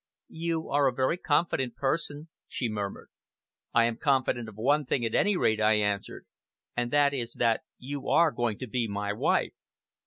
"You are a very confident person," she murmured. "I am confident of one thing, at any rate," I answered, "and that is that you are going to be my wife!"